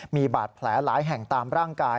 มีบาดแผลหลายแห่งตามร่างกาย